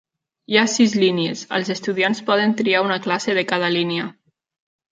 Hi ha sis línies; els estudiants poden triar una classe de cada línia.